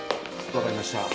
分かりました。